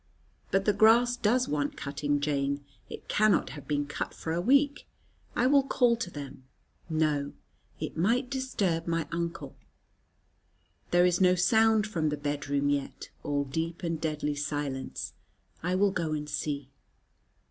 But the grass does want cutting, Jane. It cannot have been cut for a week. I will call to them. No, it might disturb my uncle. There is no sound from the bed room yet: all deep and deadly silence. I will go and see.